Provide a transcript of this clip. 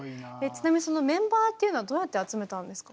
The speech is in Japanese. ちなみにそのメンバーっていうのはどうやって集めたんですか？